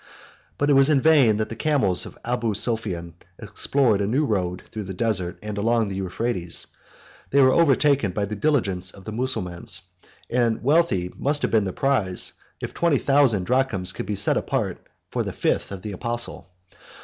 But it was in vain that the camels of Abu Sophian explored a new road through the desert and along the Euphrates: they were overtaken by the diligence of the Mussulmans; and wealthy must have been the prize, if twenty thousand drams could be set apart for the fifth of the apostle.